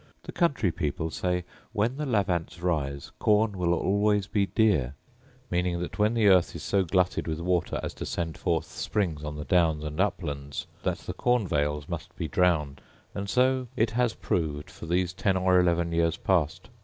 The country people say when the lavants rise corn will always be dear; meaning that when the earth is so glutted with water as to send forth springs on the downs and uplands, that the corn vales must be drowned; and so it has proved for these ten or eleven years past.